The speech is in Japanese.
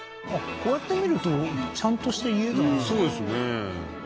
こうやって見るとちゃんとした家だなそうですね